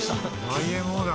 ＹＭＯだ。